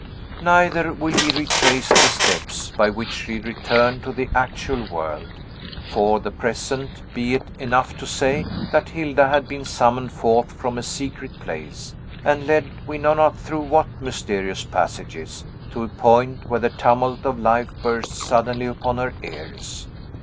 Neither will we retrace the steps by which she returned to the actual world. For the present, be it enough to say that Hilda had been summoned forth from a secret place, and led we know not through what mysterious passages, to a point where the tumult of life burst suddenly upon her ears.